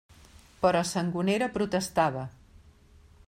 Però Sangonera protestava.